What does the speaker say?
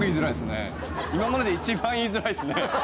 今までで一番言いづらいですね。